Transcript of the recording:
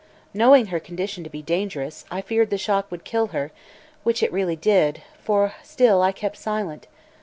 Knowing her condition to be dangerous, I feared the shock would kill her, which it really did, for still I kept silent.